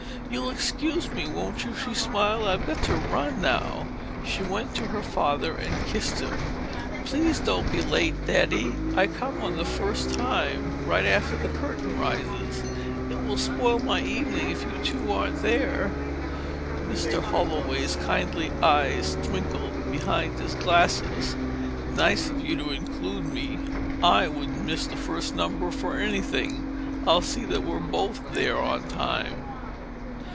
"You'll excuse me, won't you?" she smiled. "I've got to run, now." She went to her father and kissed him. "Please don't be late, Daddy. I come on the first time right after the curtain rises—it will spoil my evening if you two aren't there!" Mr. Holloway's kindly eyes twinkled behind his glasses. "Nice of you to include me. I wouldn't miss the first number for anything. I'll see that we're both there in time."